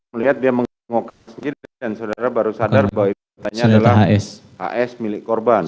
melihat dia menggengokkan sendiri dan saudara baru sadar bahwa ibadahnya adalah hs milik korban